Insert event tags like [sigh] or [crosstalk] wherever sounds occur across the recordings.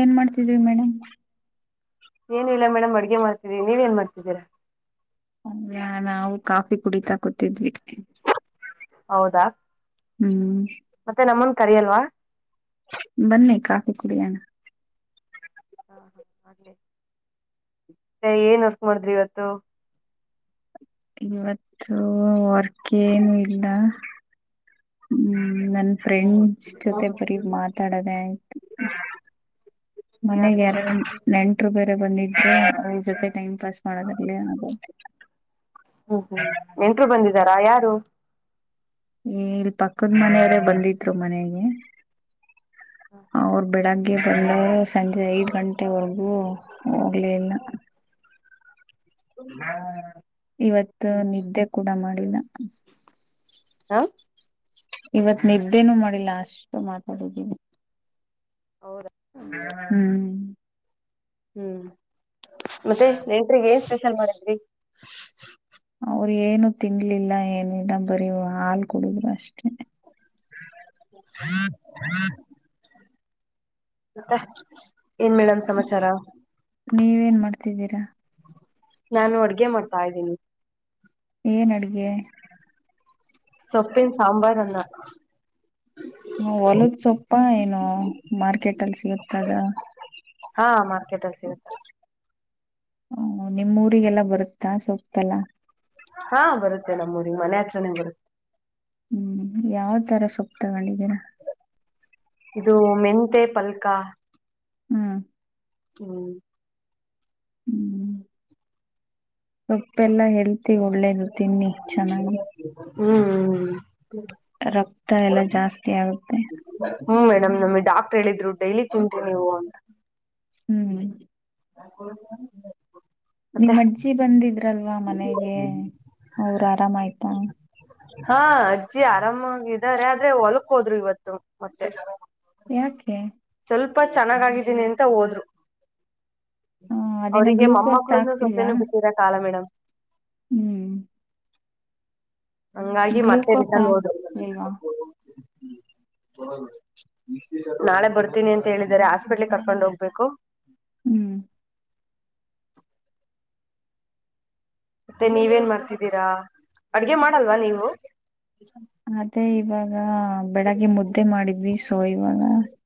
ಏನ್ ಮಾಡ್ತಿದ್ ಮೇಡಮ್. ಏನ ಇಲ್ಲ ಮೇಡಮ್ ಅಡ್ಗೆ ಮಾಡ್ತಿದವಿ ನೀವ ಏನ್ ಮಾಡ್ತಿದ್ದೀರಾ. ಹ ನಾವು ಕಾಫಿ ಕುಡಿತಾಕೋತಿದ್ವಿ. ಹೌದಾ ಹ್ಮ್. ಮತ್ತೆ ನಮ್ಮನ್ ಕರಿ ಅಲ್ವಾ. ಬನ್ನಿ ಕಕ ಕುಡಿಯಣ. ಹಾ ಹಾ ಆಗ್ಲಿ ಏನ್ ವರ್ಕ್ ಮಾಡಿದ್ರಿ ಇವತ್ತು. ಇವತ್ತು ವರ್ಕೆನು ಇಲ್ಲ. ಹ್ಮ್ ನನ್ ಫ್ರೆಂಡ್ಸ್ ಜೊತೆ ಬರಿ ಮಾತಾಡದೇ ಆಯ್ತು. ಮನೆಗೆರಡು ನೆಂಟರು ಬೇರೆ ಬಂದಿದ್ರೆ ಅವ್ರ ಜೊತೆ ಟೈಮ್ ಪಾಸ್ ಮಾಡದ. ಅ ಅ. ಹ್ಮ್ ಹ್ಮ್ ಎೆಂಟರು ಬಂದಿದಾರಾ ಯಾರು. ಏ ಇಲ್ ಪಕ್ಕದ್ ಮನೆಯವರೇ ಬಂದಿದ್ರು ಮನೆಗೆ. ಹ ಅವರು ಬೆಡಗ್. ಗೆ ಬಂದರು ಸಂಜೆ ಐದು ಗಂಟೆವರೆಗೂ ಹೋಗ್ಲಿನ್ನ. ಇವತ್ತು ನಿದ್ದೆ ಕೂಡ ಮಾಡಿಲ್ಲ. ಹ. ಇವತ್ ನಿದ್ದೇನು ಮಾಡಿಲ್ಲ ಅಷ್ಟು ಮಾತಾಡಿದೀವಿ. ಹೌದಾ. ಹ್ಮ್ ಹ್ಮ್ ಮತ್ತೆ ನೆಂಟ್ರಗ್ ಏನ್ ಸ್ಪೆಷಲ್ ಮಾಡಿದ್ರಿ. ಅವರು ಏನು ತಿನ್ಲಿಲ್ಲ ಏನಿಲ್ಲ ಬರಿ ಹಾಲ್ ಕೊಡುದ್ರು ಅಷ್ಟೇ. ಹ್ಮ. ಹ್ಮತ್ತ. ಏನ್ ಮೇಡಮ್ ಸಮಾಚಾರ. ಮಾಡತಿದ್ದೀರಾ ನಾನು ಅಡ್ಗೆ ಮಾಡ್ತಾ ಇದ್ದೀನಿ ಏನ್ ಅಡ್ಗೆ ಹ ಹ ಹೊಲದ್ ಸೊಪ್ಪ ಏನು ಮಾರ್ಕೆಟ್ ಅಲ್ಲಿ ಸಿಗತಾಗ ಹಾ ಮಾರ್ಕೆಟ್ ಹ ಸಿ ಇಗತ್ತ ಹ ನಿಮ್ಮ್ ೂರಿಗೆಲ್ಲ ಬರುತ್ತಾ ಸೊಪ್ಪಲ್ಲ ಹಾ ಬರುತ್ತೆ ನಮ್ಮೂರಿಗೆ ಮನೆ ಹತ್ರನೇ ಬರುತ್ತೆ ಹ್ಮ್ ಯಾವ್ ತರ ಸೊಪ್ಪ ತಗೊಂಡಿದೀನ ಇದು ಮೆಂತೆ ಪಲ್ಕ ಹ್ಮ್ ಹ್ಮ್ ಸೊಪ್ಪ ಎಲ್ಲಾ ಹೇಳ್ತಿ ಒಳ್ಳೇದು ತಿನ್ನಿ ಚೆನ್ನಾಗಿ ರಕ್ತ ಎಲ್ಲ ಜಾಸ್ತಿ ಆಗುತ್ತೆ ಹ್ಮ ನಮ್ ನಮ್ಗೆ ಡಾಕ್ಟರ್ ಹೇಳಿದ್ರು ಡೈಲಿ ತಿಂತಿ ನೀವು ಅಂತ ಹ್ಮ್ ಆ ನಿಮ್ಮ್ಜ್ಜಿ ಬಂದಿದ್ರಲ್ವಾ ಮನೆಗೆ ಅವರು ಆರಾಮಾಯ್ತಾ ಹಾ ಅಜ್ಜಿ ಆರಾಮಾಗಿದ್ದಾರೆ ಆದ್ರೆ ಹೊಲ್ಕ್ ಹೋದ್ರು ಇವತ್ತು ಮತ್ತೆ ಯಾಕೆ ಸ್ವಲ್ಪ ಚೆನ್ನಾಗಗಿದ್ದೀನಿ ಅಂತ ಹೋದ್ರು ಹ ಅದೇನೋ ಅವರಿಗೆ ಗ್ಲೂಕೋಸ್ ಮೊಮ್ಮಕ್ಕಳನು ಹಾಕ್ತಿಲ್ವಾ ಸತೆೇನ ಬಿಟ್ಟೀರಾ ಕಾಲ ಮೇಡಮ್ ಹ್ಮ್ ಹಂಗಾಗಿ ಮತ್ತೆ ರಿಟರ್ನ್ ಗ್ಲುಕೋಫ್ಯಾಕ್ ಹೋದ್ರು ಇವಾ ಹ ನಾಳೆ ಬರ್ತೀನಿ ಅಂತ ಹೇಳಿದಿದ್ದಾರೆ ಹಾಸ್ಪಿಟ್ಲ್ ಕರ್ಕೊಂಡ್ ಹೋಗ್ಬೇಕು ಹ್ಮ್ ಮತ್ತೆ ನೀವೇನ್ ಮಾಡ್ತಿದ್ದೀರಾ ಅಡ್ಗೆ ಮಾಡಲ್ವಾ ನೀವು ಅದೇ ಇವಾಗ ಬೆಳಗ್ಗೆ ಮುದ್ದೆ ಮಾಡಿದ್ವಿ ಸೊ ಇವಾಗ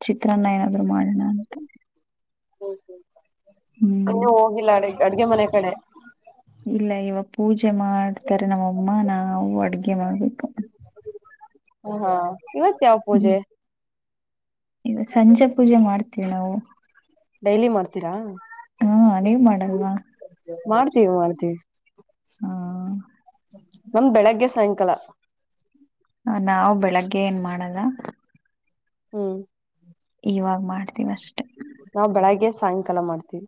ಚಿತ್ರಾನ್ನ ಏನಾದ್ರು ಮಾಡ ಮಾಡೋಣ ಅಂತ ಹ್ಮ ಹ್ಮ್ ಇನ್ನ ಹೋಗಿಲ್ಲ ಅ ಅಡ್ಗೆ ಮನೆ ಕಡೆ ಇಲ್ಲ ಇವಾಗ ಪೂಜೆ ಮಾಡ್ತಾರೆ ನಮ್ಮಮ್ಮ ನಾವು ಅಡ್ಗೆ ಮಾಡ್ಬೇಕು ಹಾ ಇವತ್ ಯಾವ ಪೂಜೆ ಈಗ ಸಂಜೆ ಪೂಜೆ ಮಾಡ್ತೀವಿ ನಾವು ಡೈಲಿ ಮಾಡ್ತೀರಾ ಹಾ ನೀವ್ ಮಾಡಲ್ವಾ ಮಾಡ್ತವಿ ಹಾ ನಮ್ದ್ ಬೆಳಗ್ಗೆ ಸಾಯಂಕಾಲ ಹ ನಾವವು ಬೆಳಗ್ಗೆ ಏನ್ ಮಾಡಲ್ಲ ಹ್ಮ್ ಇವಾಗ ಮಾಡ್ತಿವಷ್ಟೆ ನಾವ್ ಬೆಳಗ್ಗೆ ಸಾಯಂಕಾಲ ಮಾಡ್ತೀವಿ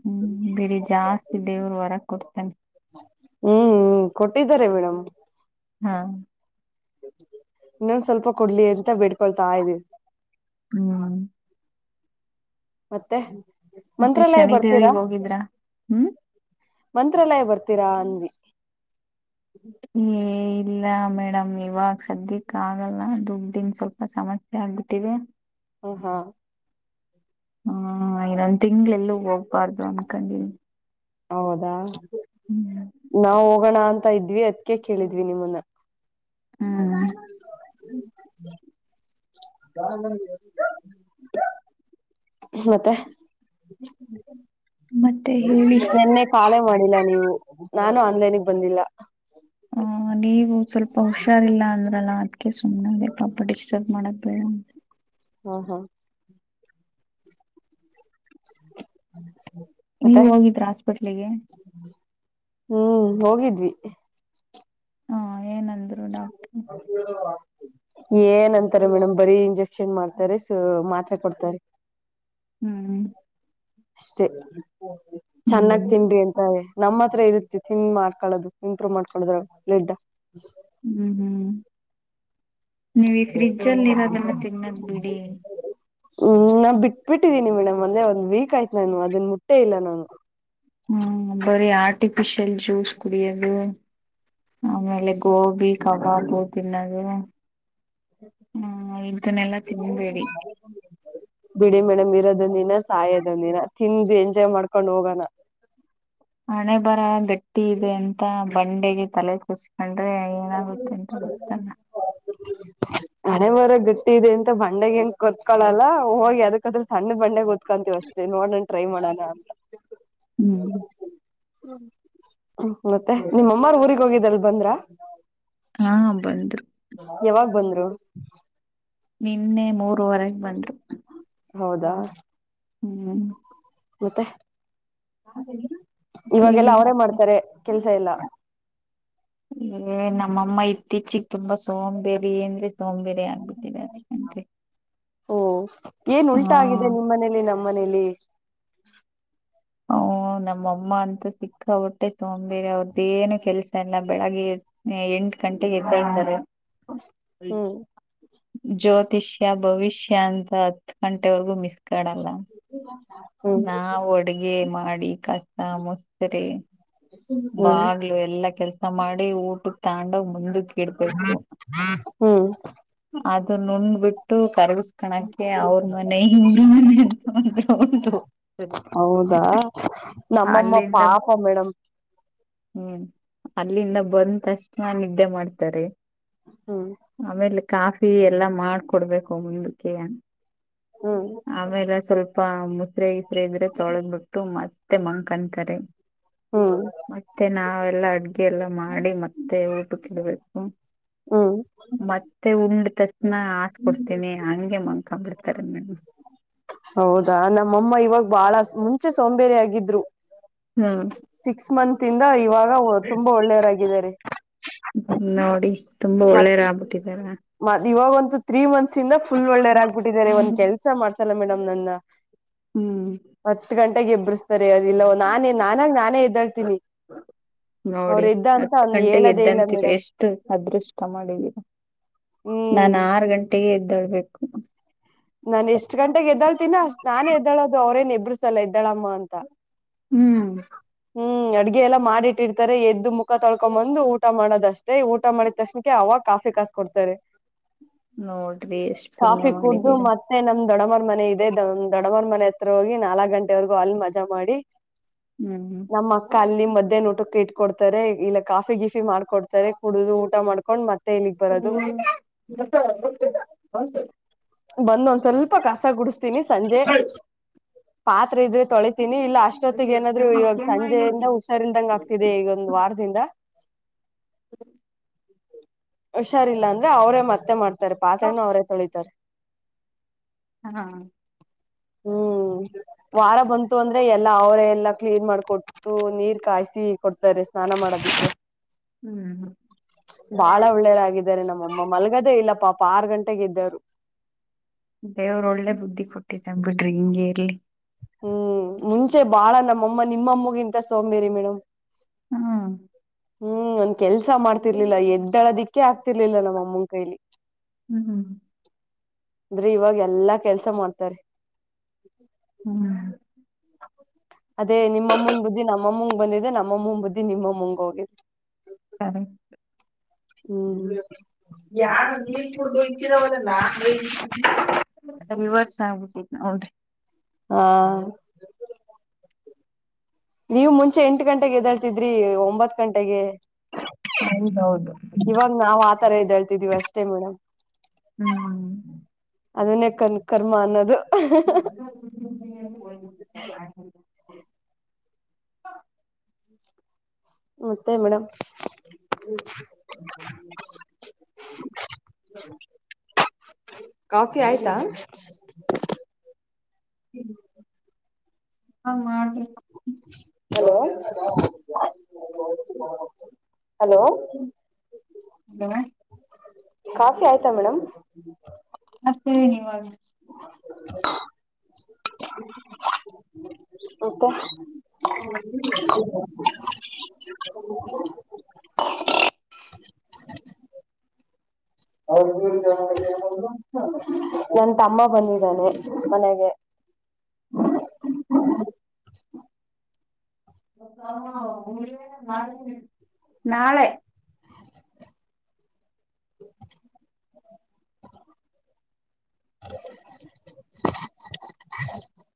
ಹ್ಮ್ ಬಿಡಿ ಜಾಸ್ತಿ ದೇವರು ಹೊರಗೆ ಕೊಡ್ತೇನೆ ಹ್ಮ್ ಕೊಟ್ಟಿದ್ದಾರೆ ಮೇಡಮ್ ಹಾ ಇನ್ನೊಂದು ಸ್ವಲ್ಪ ಕೊಡ್ಲಿ ಅಂತ ಬಿಡ್ಕೊಳ್ತಾ ಇದ್ವಿ ಹ ಮತ್ತೆ ಮತ್ತೆ ಮಂತ್ರಾಲಯ ಬರ್ತೀರಾ ಶನಿದೇವ್ರಿಗೆ ಹೋಗಿದ್ರ ಹ್ಮ್ ಮಂತ್ರಾಲಯ ಬರ್ತೀರಾ ಅನ್ವಿ ಏ ಇಲ್ಲ ಮೇಡಮ್ ಇವಾಗ ಸದ್ಯಕ್ಕ ಆಗಲ್ಲ ದುಡ್ನ್ ಸ್ವಲ್ಪ ಸಮಸ್ಯೆ ಆ ಹಂಗತೇವೆ ಹ ಹಾ ಹ್ಮ ಇನ್ನೊಂದ್ ತಿಂಗಳ ಎಲ್ಲೂ ಹೋಗ್ಬಾರ್ದು ಅನ್ಕೊಂಡೀ ಹೌದಾ ನಾ ಹೋಗೋಣ ಅಂತ ತಾ ಇದ್ವಿ ಅದ್ಕ ಕೇಳಿದ್ವಿ ನಿಮ್ಮನ್ನ ಹ್ಮ್ [unintelligible] ಮತ್ತೆ ಮತ್ತೆ ಹೇಳಿ ನಿನ್ನೆ ಖಾಲೆ ಮಾಡಿಲ್ಲ ನೀವು ನಾನು ಅನ್ಲೈನಿಗೆ ಬಂದಿಲ್ಲ ಹ ನೀವು ಸ್ವಲ್ಪ ಹುಷಾರಿಲ್ಲ ಅಂದ್ರಲ್ಲ ಅದ್ಕ ಸುಮ್ಮನೆ ಅದೇ ಪ್ರಾಪರ್ಟಿ ಸಪ್ ಮಾಡಕ್ ಬೇಡ ಅ ಹ್ಮ ಹಾ ಹ್ಮ್ ನೀವ ಹೋಗಿದ್ರ ಹಾಸ್ಪಿಟ್ಲಿಗೆ ಹ್ಮ್ ಹೋಗಿದ್ವಿ ಹಾ [inaudible] ಏನ್ಂತಾರೆ ಮೇಡಮ್ ಬರೀ ಇಂಜೆಕ್ಷನ್ ಮಾಡ್ತಾರೆ ಮಾತ್ರೆ ಕೊಡ್ತಾರೆ ಹ್ಮ್ ಅಷ್ಟೇ ಚೆನ್ನಾಗ್ ಹ್ಮ್ ತಿನ್ದ್ರಿ ಅಂತ ನಮ್ಮ ಹತ್ರ ಇರುತ್ತೆ ತಿನ್ ಮಾಡ್ಕೊಳ್ಳದು ಇಂಪ್ರೂವ್ ಮಾಡ್ಕೊಡ್ರ ಡ್ ಹ್ಮ್ ಹ್ಮ್ ನೀವ್ ಈ ಫ್ರಿಜ ಅಲ್ಲಿ ಇರೋದಲ್ಲ ತಿನ್ನದ ಬಿಡಿ ಹ್ಮ್ ನಾನ್ ಬಿಟ್ ಬಿಟ್ಟಿದ್ದೀನಿ ಮೇಡಮ್ ಅಂದೆ ಒಂದ್ ವೀಕ್ ಆಯ್ತು ನಾನು ಅದನ್ ಮುಟ್ಟೆ ಇಲ್ಲ ನಾನು ಹ್ಮ್ ಬರೀ ಆರ್ಟಿಫಿಶಿಯಲ್ ಜ್ಯೂಸ್ ಕುಡಿಯೋದು ಆಮೇಲೆ ಗೋಬಿ ಕವಾ ದ ತಿನ್ನಗೆ ಹ್ಮ ಉ್ದನ್ನೆಲ್ಲ ತಿನ್ಬೇಡಿ [unintelligible] ಬಿಡಿ ಮೇಡಮ್ ಇರೋದಂದ ದಿನ ಸಾಯೋದಂದ ದಿನ ತಿಂದು ಎಂಜಾಯ್ ಮಾಡ್ಕೊಂಡ್ ಹೋಗೋಣ ಹಣೆ ಬರ ಗಟ್ಟಿ ಇದೆ ಅಂತ ಬಂಡೆಗೆ ತಲೆ ತಸ್ಕೊಂಡು ಅ್ರೆ ಏನಾಗುತ್ತೆ ಅಂತ ಗೊತ್ತಲ್ಲ ಹನೆ ಬರಹ ಗಟ್ಟಿ ಇದೆ ಅಂತ ಬಂಡೆಗೆ ಹೆಂಗ ಕತ್ಕೊಳಲ್ಲ ಹೋಗಿ ಅದಕ್ಕದ್ರ ಸಣ್ಣ ಬಂಡೆ ಗೊತ್ತ ಕತ್ಕೊಂತೀವಿ ಅಷ್ಟೇ ನೋಡಣನ್ ಟ್ರೈ ಮಾಡೋಣ ಅಂತ ಹ್ಮ್ ಮತ್ತೆ ನಿಮ್ಮಮ್ಮಾರ್ ಊಗ್ ಹೋಗಿದಲ್ ಬಂದ್ರ ಹಾ ಬಂದ್ರು ಯಾವಾಗ ಬಂದ್ರು ನಿನ್ನೆ ಮೂರವರೆಗೆ ಬಂದರು ಹೌದಾ ಹ್ಮ್ ಮತ್ತೆ ಇವಾಗೆಲ್ಲ ಹೇಳಿ ಅವರೇ ಮತ್ತೆ ಮಾಡ್ತಾರೆ ಕೆಲ್ಸ ಎಲ್ಲ [inaudible] ಏ ನಮ್ಮಮ್ಮ ಇತ್ತೀಚಿ ತುಂಬಾ ಸೋಂಬೇರಿ ಸೋಂಬೇರಿ ಆಗ್ಬಿಟ್ಟಿದ್ದಾರೆ ಓ ಏನ್ ಹಾ ಉಲ್ಟಾ ಆಗಿದೆ ನಿಮ್ಮ್ನೇಲಿ ನಮ್ಮನೇಲಿ ಹೌ ನಮ್ಮಮ್ಮ ಅಂತ ಸಿಕ್ಕ ಪಟ್ಟೆ ಸೋಂಬೇರೆ ಅವರ್ದು ಏನ್ ಕೆಲಸ ಇಲ್ಲ ಬೆಳಗ್ಗೆ ಎಂು ಗಂಟೆಗೆ ಎ್ದಾರೆ [unintelligible] [inaudible] ಹ್ಮ್ ಜ್ಯೋತಿಷ್ಯ ಭವಿಷ್ಯ ಅಂತ ಹತ್ ಗಂಟೆವರೆಗೂ ಮಿಸ್ ಕಾಡಲ್ಲ ಹ್ಮ್ ನಾ ಅಡ್ಗೆ ಮಾಡಿ ಕಷ್ಟ ಮುಸ್ತ್ರ ಹ್ಮ್ ಬಾಗ್ಲು ಎಲ್ಲಾ ಕೆಲ್ಸ ಮಾಡಿ ಊಟ ತೊಂಡು ಮುಂದ ಇಡ್ಬೇಕು ಹ್ಮ್ ಅದು ನುಣಬಟ್ಟ ಕರಗಸ್ಕಣಕ್ಕೆ ಅವ್ರ ಮನೆ ಇವ್ರ ಮನೆ ಅಂತಂದ ಉಂಟೋಗ್ತ [unintelligible] ಹೌದಾ ನಮ್ಮಮ್ಮ ಪಾಪ ಮೇಡಮ್ [inaudible] ಹ್ಮ್ ಅಲ್ಲಿಂದ ಬಂತ ಅಷ್ಟ ನ ನಿದ್ದೆ ಮಾಡ್ತಾರೆ ಹ್ಮ್ ಆಮೇಲೆ ಕಾಫಿ ಎಲ್ಲಾ ಮಾಡ್ಕೊಡ್ಬೇಕು ಮುಂದಕ್ಕೆ ಹ್ಮ್ ಆಮೇಲೆ ಸ್ವಲ್ಪ ಮುಸ್ರ ಇಸ್ರೆ ಇದ್ರೆ ತೊಳದ್ ಬಿಟ್ಟು ಮತ ಮತ್ತೆ ಮಲ್ಕೊಂತಾರೆ ಹ್ಮ ಮತ್ತೆ ನಾವೆಲ್ಲಾ ಅಡ್ಗೆ ಎಲ್ಲ ಮಾಡಿ ಮತ್ತೆ ಊಟಕ್ಕೆ ಇಡಬೇಕು ಹ್ಮ್ ಮತ್ತೆ ಉಂಡ ತಕ್ಷಣ ಹಸ್ಕೊಡ್ತೀನಿ ಹಂಗೆ ಮಲ್ಕೋ ಬಿಡ್ತಾರೆ ನು ಹೌದಾ ನಮ್ಮಮ್ಮ ಇವಾಗ ಬಾಳ ಮುಂಚೆ ಸೋಂಬೇರಿ ಆಗಿದ್ರು ಹ್ಮ ಸಿಕ್ಸ್ ಮಂತ್ ಇಂದ ಇವಾಗ ತುಂಬಾ ಒಳ್ಳೆಯರಾಗಿದ್ದಾರೆ ನೋಡಿ ತುಂಬಾ ಒಳ್ಳೇರ್ ಆಗ್ಬಿಟ್ಟಿದ್ದಾರೆ ಮ ಇವಾಗಂತೂ ತ್ರೀ ಮಂತ್ಸ್ ಇಂದ ಫುಲ್ ಒಳ್ಳೇರಾಗಬಿಟ್ಟಿದಿದ್ದಾರೆ ಒಂದ್ ಕೆಲ್ಸ ಮಾಡ್ತಲ್ಲ ಮೇಡಮ್ ಹ್ಮ್ ಹತ್ತು ಗಂಟೆಗೆ ಎಬ್ರ ಸರಿ ಅ ಇಲ್ಲ ನಾನೇ ನಾನಾಗ ನಾನೇ ಎದ್ದಾಳ್ತೀನಿ ಅವ್ರ ನೋಡಿ ಎದ್ದ ಅಂತ ಹತ್ ಅವ್ನ್ ಗಂಟೆಗೆ ಹೇಳದೇ ಇಲ್ಲ ಎದ್ದಂತಿದೆ ಮೇಡಮ್ ಎಷ್ಟು ಅದೃಷ್ಟ ಮಾಡಿದ್ದೀರಾ ಹ್ಮ್ ನಾ ಆರು ಗಂಟೆಗೆ ಎದ್ದಳ್ಬೇಕು ಇದ್ದಳದು ಅವ್ರೇ ಅವರೇನು ಇಬ್ಬರೂ ಸಲ್ಲ ಇದ್ದಾಳಮ್ಮ ಅಂತ ಹ್ಮ್ ಹ್ಮ್ ಅಡ್ಗೆ ಎಲ್ಲ ಮಾಡಿಟ್ಟಿರ್ತಾರೆ ಎದ್ದು ಮುಖ ತೊಳ್ಕೊಂಬಂದು ಊಟ ಮಾಡೋದಷ್ಟೇ ಊಟ ಮಾಡಿದ ತಕ್ಷಣಕ್ಕೆ ಅವಾಗ ಕಾಫೆ ಕಾಸ ಕೊಡ್ತಾರೆ ನೋಡ್ರಿ ಎಷ್ಟ್ ಪುಣ್ಯ ಕಾಫಿ ಕುೂಡ್ದು ಮಾಡಿದೀರ ಮತ್ತೆ ನಮ್ ದೊಡಮರ್ ಮನೆ ಇದೆಮ್ ದೊಡಮ್ಮೋರ್ ಮನೆ ಹತ್ರ ಹೋಗಿ ನಾಲ್ಕಕ್ ಗಂಟೆವರೆಗೂ ಅಲ್ಲಿ ಮಜಾ ಮಾಡಿ ಹ್ಮ್ ನಮ್ಮ ಅಕ್ಕ ಅಲ್ಲಿ ಮಧ್ಯಾಹ್ನ ಊಟಕ್ಕೆ ಇಟ್ಕೊಡ್ತಾರೆ ಇಲ್ಲ ಕಾಫಿ ಗಿಫಿ ಮಾಡ್ಕೊಡ್ತಾರೆ ಕುಡಿದು ಊಟ ಮಾಡ್ಕೊಂಡ್ ಮತ್ತೆ ಇಲ್ಲಿಗ್ ಬರೋದು ಹ್ಮ್ ಗತ್ತ ಗತ ಹ ಬಂದ ಒಂದ್ ಸ್ವಲ್ಪ ಕಸ ಕುಡಸ್ತೀನಿ ಸಂಜೆ ಪಾತ್ ಇದ್ರೆ ತೊಳೆ ತೀನಿ ಇಲ್ಲ ಅಷ್ಟೊತ್ತಿಗೆ ಏನಾದ್ರು ಇವಾಗ ಸಂಜೆಯಿಂದ ಹುಷಾರ್ಲ್ದಂಗ ಆಗ್ತಿದೆ ಈಗೊಂದ ವಾರದಿಂದ ಹ ಹುಷಾರಿಲ್ಲ ಅಂದ್ರೆ ಅವರೇ ಮತ್ತೆ ಮಾಡ್ತಾರೆ ಪಾತ್ರೆನ ಅವರೇ ತೊಳಿತಾರೆ ಹಾ ಹ್ಮ ವಾರ ಬಂತು ಅಂದ್ರೆ ಎಲ್ಲಾ ಅವರ ಎಲ್ಲಾ ಕ್ಲೀನ್ ಮಾಡಕೊಟ್ಟು ನೀರ್ ಕಾಯಸಿ ಕೊ ಡ್ತಾರೆ ಸ್ನಾನ ಮಾಡೋದಿಕ್ಕೆ ಹ್ಮ್ ಬಾಳ ಒಳ್ಳೇದಾಗಿದ್ದಾರೆ ನಮ್ಮಮ್ಮ ಮಲ್ಗದೇ ಇಲ್ಲ ಪಾಪ ಆರ್ ಗಂಟೆೆಗೆ ಇದ್ದರು ದೇವ್ರ ಒಳ್ಳೆ ಬುದ್ಧಿ ಕೊಟ್ಟಿನ್ ಬಿಟ್ರಿ ಹಿಂಗಗೆ ಎಲ್ಲಿ ಹ್ಮ್ ಮುಂಚೆ ಬಾಳ ನಮ್ಮಮ್ಮ ನಿಮ್ಮಮ್ಮಗಿಂತ ಸೋಂಬೇರಿ ಮೇಡಮ್ ಹಾ ಹ್ಮ್ ಒಂದ್ ಕೆಲ್ಸ ಮಾಡ್ತಿರ್ಲಿಲ್ಲ ಎದ್ದಳದಿಕ್ಕೆ ಆಗ್ತಿರ್ಲಿಲ್ಲ ನಮ್ಮ ಅಮ್ಮನ್ ಕೈಲಿ ಹ್ಮ್ ಹ್ಮ್ ಅಂದ್ರಿ ಇವಾಗ ಎಲ್ಲಾ ಕೆಲ್ಸ ಮಾಡ್ತಾರ ಹ್ಮ್ ಅದೇ ನಿಮ್ಮ ಮುನ್ ಬುದ್ಧಿ ನಮ್ಮಮ್ಮಂಗ್ ಬಂದಿದೆ ನಮ್ಮ ಮುನ್ ಬುದ್ಧಿ ನಿಮ್ಮ ಮುಂಗ ಹೋಗ ಸ ಹ್ಮ್ ಯ ಮ ಪ ಲ್ಲ ರಿವರ್ಸ್ ಆಗ್ಬಿಟ್ಟ ಹನ್ ಹಾ ನೀವು ಮುಂಚೆ ಎಂಟು ಗಂಟೆಗೆ ಎದ್ದಾಳ್ತಿದ್ರಿ ಒಂಬತ್ ಗಂಟೆಗೆ ಹೌದೌದು ಇವಾಗ ನಾವ್ ಆತರ ಇದ್ದ ಹೇಳ್ತಿದೀವಿ ಅಷ್ಟೇ ಮೇಡಮ್ ಹ್ಮ್ ಅದನ್ನೇ ಕನ್ ಕರ್ಮ ಅನ್ನೋದು ಹ ಹ ಮತ್ತೆ ಮೇಡಮ್ ಕಾಫಿ ಆಯ್ತಾ ಹ್ಮ್ ಹಾ ಮಾಡ್ಬೇಕು ಹಲೋ ಹ ಹಲೋ ಹಲ ಕಾಫಿ ಆಯ್ತಾ ಮೇಡಮ್ ಮತ್ತವಿ ನೀವಾಗ ಮತ್ತೆ ಹ ನನ್ ತಮ್ಮ ಬಂದಿದ್ದಾನೆ ಮನೆಗೆ ನಾೆ ನಾಳೆ